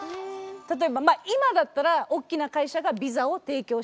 例えばまあ今だったら大きな会社がビザを提供してくれる。